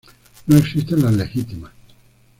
No existen las legítimas.